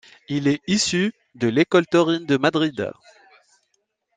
Il est issu de l'école taurine de Madrid.